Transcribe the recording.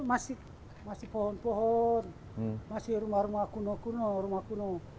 masih pohon pohon masih rumah rumah kuno kuno